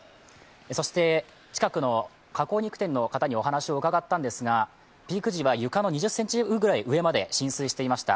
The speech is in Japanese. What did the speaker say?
そして、近くの加工肉店の方にお話を伺ったんですがピーク時は床の２０ｃｍぐらい上まで浸水していました。